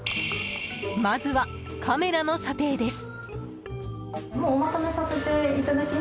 まずはカメラの査定です。